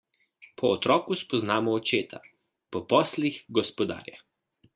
Po otroku spoznamo očeta, po poslih gospodarja.